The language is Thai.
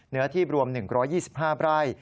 เนื้อที่รวม๑๒๕ไร่